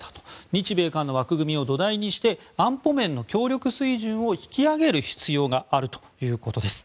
日米韓の枠組みを土台にして安保面の協力水準を引き上げる必要があるということです。